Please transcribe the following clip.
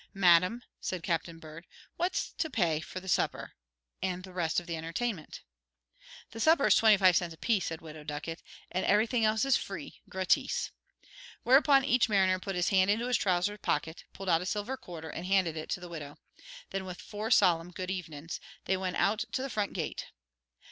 "Madam," said Captain Bird, "what's to pay for the supper and the rest of the entertainment?" "The supper is twenty five cents apiece," said the Widow Ducket, "and everything else is free, gratis." Whereupon each mariner put his hand into his trousers pocket, pulled out a silver quarter, and handed it to the widow. Then, with four solemn "Good evenin's," they went out to the front gate.